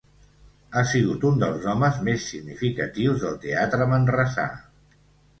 Ha sigut un dels homes més significatius del teatre manresà.